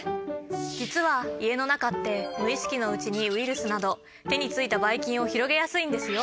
実は家の中って無意識のうちにウイルスなど手についたバイ菌を広げやすいんですよ。